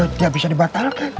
tidak bisa dibatalkan